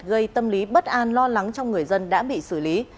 gây tâm lý bất an lo lắng trong người dân đã bị xử lý